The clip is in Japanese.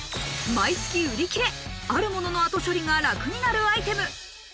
毎月売り切れ、あるものの後処理が楽になるアイテム。